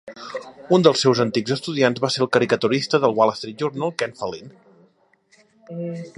Un dels seus antics estudiants va ser el caricaturista de "The Wall Street Journal", Ken Fallin.